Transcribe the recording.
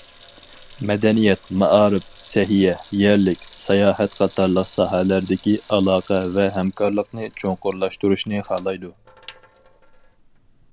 مەدەنىيەت، مائارىپ، سەھىيە، يەرلىك، ساياھەت قاتارلىق ساھەلەردىكى ئالاقە ۋە ھەمكارلىقنى چوڭقۇرلاشتۇرۇشنى خالايدۇ.